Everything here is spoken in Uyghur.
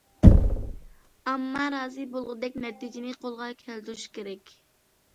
ئامما رازى بولغۇدەك نەتىجىنى قولغا كەلتۈرۈشى كېرەك.